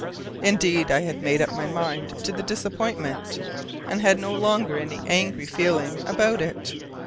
Indeed, I had made up my mind to the disappointment, and had no longer any angry feeling about it.